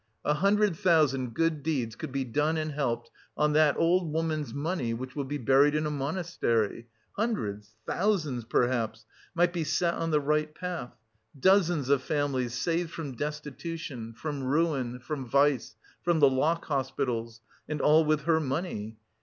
A hundred thousand good deeds could be done and helped, on that old woman's money which will be buried in a monastery! Hundreds, thousands perhaps, might be set on the right path; dozens of families saved from destitution, from ruin, from vice, from the Lock hospitals and all with her money.